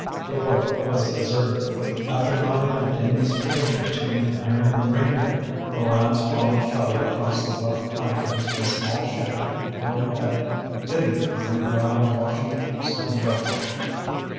The wharf was deserted. After knotting the dinghy's painter to an iron ringbolt, the lads followed Kelly across the rough planking to the small shack Bill had hidden behind while watching Slim Johnson.